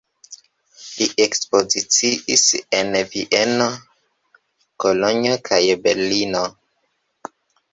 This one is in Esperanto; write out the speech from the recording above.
Li ekspoziciis en Vieno, Kolonjo kaj Berlino.